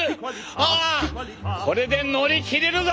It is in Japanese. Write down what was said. あこれで乗り切れるぞ！